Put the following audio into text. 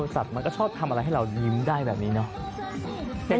สัตว์มันก็ชอบทำอะไรให้เรายิ้มได้แบบนี้เนาะ